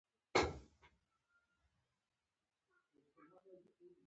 منډه د تفکر لاره ده